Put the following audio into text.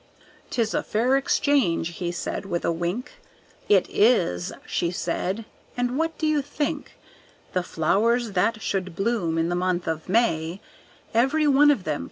"'Tis a fair exchange," he said, with a wink "It is!" she said, and what do you think? The flowers that should bloom in the month of May Every one of them came on an April day!